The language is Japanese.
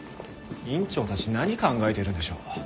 院長たち何考えてるんでしょう。